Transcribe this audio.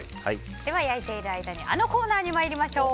焼いている間にあのコーナーに参りましょう。